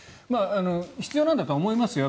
必要なんだとは思いますよ。